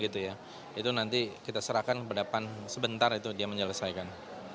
gitu ya itu nanti kita serahkan ke depan sebentar itu dia menyelesaikan